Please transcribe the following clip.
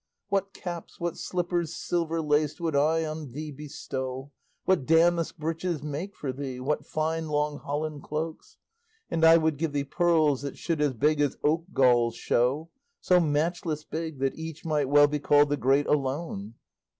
What caps, what slippers silver laced, Would I on thee bestow! What damask breeches make for thee; What fine long holland cloaks! And I would give thee pearls that should As big as oak galls show; So matchless big that each might well Be called the great "Alone."